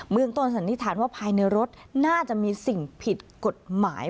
เมืองต้นสันนิษฐานว่าภายในรถน่าจะมีสิ่งผิดกฎหมาย